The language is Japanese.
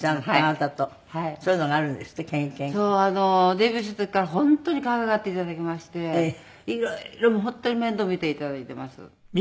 デビューした時から本当に可愛がって頂きまして色々もう本当に面倒見て頂いています。